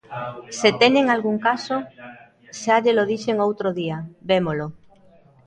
Se teñen algún caso, xa llelo dixen o outro día, vémolo.